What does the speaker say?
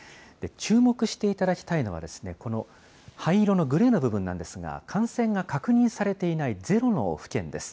注目していただきたいのは、この灰色のグレーの部分なんですが、感染が確認されていないゼロの府県です。